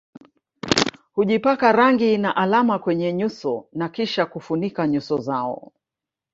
Hujipaka rangi na alama kwenye nyuso na kisha kufunika nyuso zao